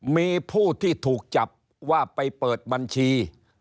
มีผู้ที่ถูกจับว่าไปเปิดบัญชี